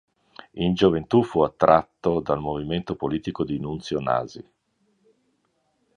In gioventù fu attratto dal movimento politico di Nunzio Nasi.